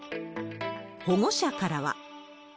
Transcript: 保護者からは。